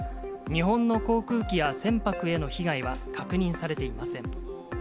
日本の航空機や船舶への被害は確認されていません。